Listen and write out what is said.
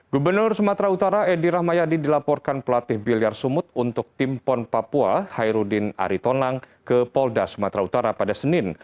gubernur sumatera utara edi rahmayadi dilaporkan pelatih biliar sumut untuk tim pon papua hairudin aritonang ke polda sumatera utara pada senin